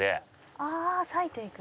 「ああ裂いていく」